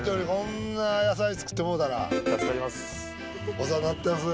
お世話になってます。